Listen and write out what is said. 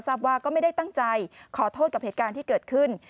ทราบว่าก็ไม่ได้ตั้งใจขอโทษกับเหตุการณ์ที่เกิดขึ้น